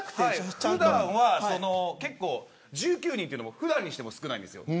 普段は結構、１９人というのも普段にしても少ないんですよ。